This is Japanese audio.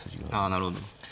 あなるほど。